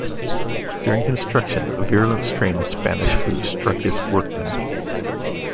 During construction, a virulent strain of Spanish Flu struck his workmen.